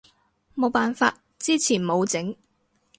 冇辦法，之前冇整